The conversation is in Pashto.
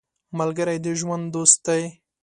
ملګری د ژوند دوست دی